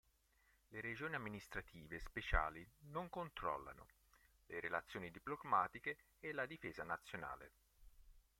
Le regioni amministrative speciali non controllano: le relazioni diplomatiche e la difesa nazionale.